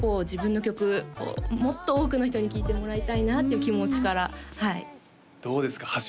自分の曲もっと多くの人に聴いてもらいたいなっていう気持ちからはいどうですか？